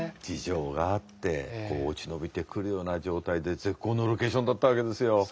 事情があって落ち延びてくるような状態で絶好のロケーションだったわけですよ。